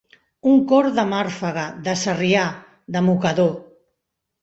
Un corn de màrfega, de sàrria, de mocador.